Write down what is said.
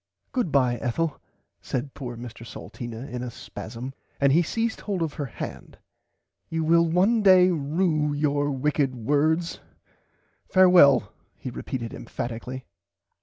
Goodbye Ethel said poor Mr Salteena in a spasam and he seized hold of her hand you will one day rue your wicked words farewell he repeated emphatically.